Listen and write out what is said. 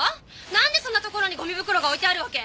なんでそんなところにゴミ袋が置いてあるわけ？